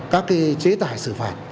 các chế tải xử phạt